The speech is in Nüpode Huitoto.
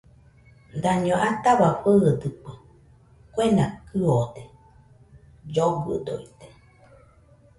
Daño ataua fɨɨdɨkue, kuena kɨode, llogɨdoite